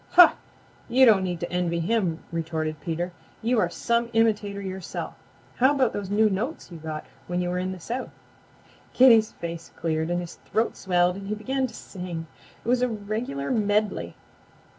"Huh! You don't need to envy him," retorted Peter. "You are some imitator yourself. How about those new notes you got when you were in the South?" Kitty's face cleared, his throat swelled and he began to sing. It was a regular medley.